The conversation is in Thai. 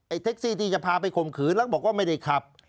เท็กซี่ที่จะพาไปข่มขืนแล้วบอกว่าไม่ได้ขับ